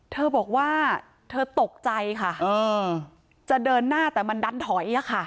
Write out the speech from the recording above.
เธอบอกว่าเธอตกใจค่ะจะเดินหน้าแต่มันดันถอยอะค่ะ